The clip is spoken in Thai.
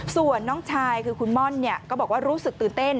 ส่วนน้องชายคือคุณม่อนก็บอกว่ารู้สึกตื่นเต้น